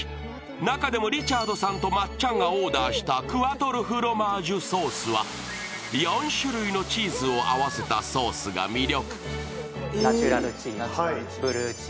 中でもリチャードさんとまっちゃんがオーダーしたクワトロフロマージュソースは４種類のチーズを合わせたソースが魅力。